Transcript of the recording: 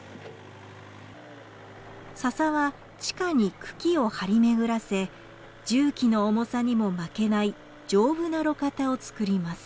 ササは地下に茎を張り巡らせ重機の重さにも負けない丈夫な路肩を作ります。